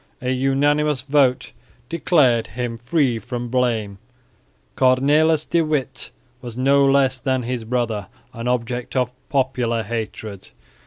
A unanimous vote declared him free from blame. Cornelis de Witt was, no less than his brother, an object of popular hatred.